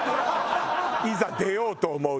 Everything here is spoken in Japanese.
いざ出ようと思うと。